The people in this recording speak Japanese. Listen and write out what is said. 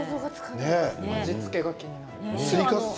味付けが気になる。